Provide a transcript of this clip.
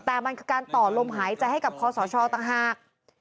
แต่มันคือการต่อลมหายใจให้กับคอสชต่างหาก